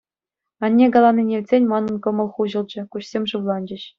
Анне каланине илтсен манӑн кӑмӑл хуҫӑлчӗ, куҫсем шывланчӗҫ.